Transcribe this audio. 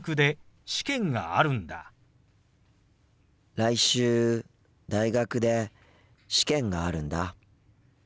来週大学で試験があるんだ。